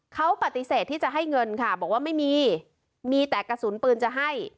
เขาปฏิเสธที่จะให้เงินค่ะบอกว่าไม่มีมีแต่กระสุนปืนจะให้